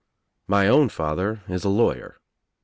My own father is a lawyer.